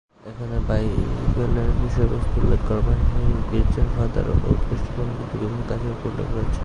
এখানে বাইবেলের বিষয়বস্তু উল্লেখ করার পাশাপাশি গীর্জার ফাদার ও উৎকৃষ্ট পন্ডিতদের বিভিন্ন কাজের ব্যাপারে উল্লেখ রয়েছে।